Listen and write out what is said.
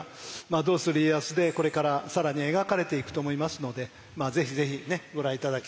「どうする家康」でこれから更に描かれていくと思いますのでぜひぜひご覧頂きたいと思います。